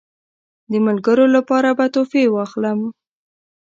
د ملګرو لپاره به تحفې واخلم.